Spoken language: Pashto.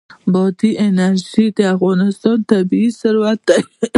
بادي انرژي د افغانستان طبعي ثروت دی.